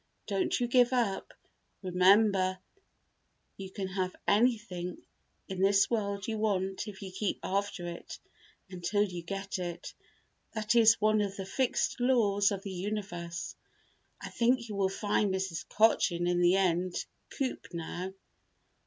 Don't you give up. Remember, you can have anything in this world you want if you keep after it until you get it; that is one of the fixed laws of the universe. I think you will find Mrs. Cochin in the end coop now.